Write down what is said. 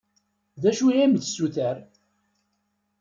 D acu i am-d-tessuter?